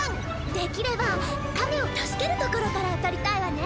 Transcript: できれば亀を助けるところから撮りたいわね。